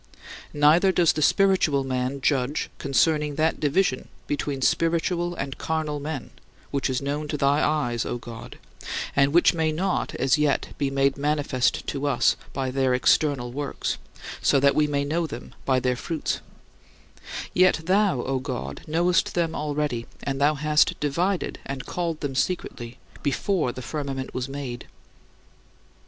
Neither does the spiritual man judge concerning that division between spiritual and carnal men which is known to thy eyes, O God, and which may not, as yet, be made manifest to us by their external works, so that we may know them by their fruits; yet thou, O God, knowest them already and thou hast divided and called them secretly, before the firmament was made.